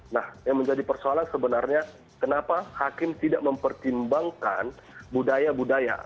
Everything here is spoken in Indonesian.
nah yang menjadi persoalan sebenarnya kenapa hakim tidak mempertimbangkan budaya budaya